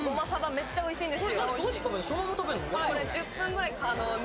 めっちゃおいしいです。